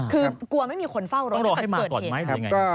คือกลัวไม่มีคนเฝ้ารอให้เกิดเหตุ